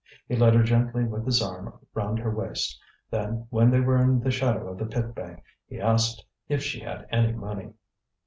He led her gently with his arm round her waist. Then, when they were in the shadow of the pit bank, he asked if she had any money.